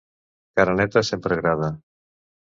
Cara neta sempre agrada.